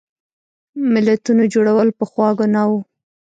ملتونو جوړول پخوا ګناه وه.